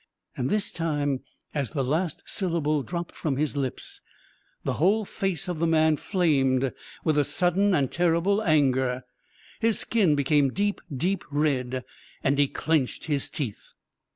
And this time, as the last syllable dropped from his lips, the whole face of the man flamed with a sudden and terrible anger. His skin became deep, deep red, and he clenched his teeth.